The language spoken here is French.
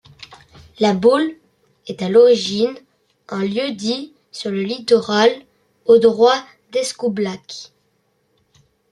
La Bôle est à l'origine un lieu-dit sur le littoral, au droit d'Escoublac.